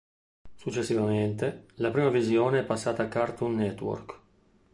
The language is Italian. Successivamente, la prima visione è passata a Cartoon Network.